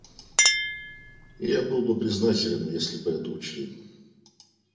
Я был бы признателен, если бы это учли.